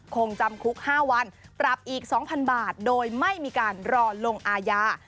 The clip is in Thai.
คงจำคุก๕วันปรับอีก๒๐๐๐บาทโดยไม่มีการรอลงอาญา